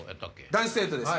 男子生徒です。